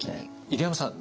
入山さん